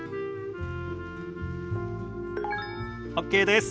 ＯＫです。